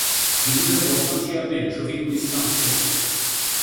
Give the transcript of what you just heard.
ইউনিয়নের বর্তমান চেয়ারম্যান শফিকুল ইসলাম শফি